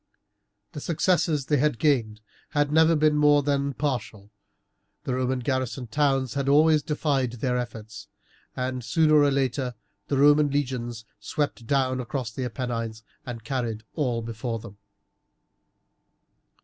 The successes they had gained had never been more than partial, the Roman garrison towns had always defied all their efforts, and sooner or later the Roman legions swept down across the Apennines and carried all before them.